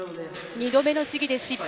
２度目の試技で失敗。